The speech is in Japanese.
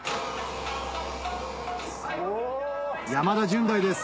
山田純大です